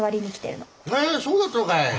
へえそうだったのかい。